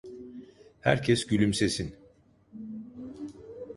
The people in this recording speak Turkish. Herkes gülümsesin.